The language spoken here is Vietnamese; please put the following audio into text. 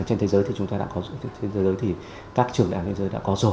trên thế giới thì chúng ta đã có trên thế giới thì các trường đại học thế giới đã có rồi